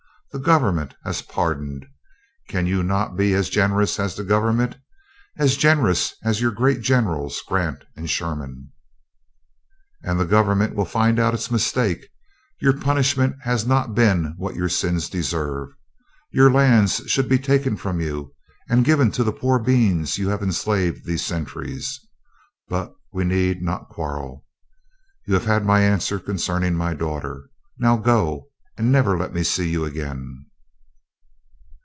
The government has pardoned; can you not be as generous as the government? as generous as your great generals, Grant and Sherman?" "And the government will find out its mistake. Your punishment has not been what your sins deserve. Your lands should be taken from you and given to the poor beings you have enslaved these centuries. But we need not quarrel. You have had my answer concerning my daughter. Now go, and never let me see you again."